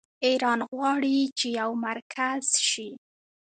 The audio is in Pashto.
ایران غواړي چې یو مرکز شي.